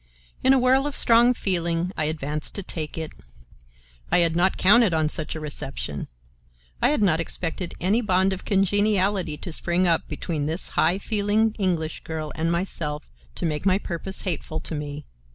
In a whirl of strong feeling I advanced to take it. I had not counted on such a reception. I had not expected any bond of congeniality to spring up between this high feeling English girl and myself to make my purpose hateful to me.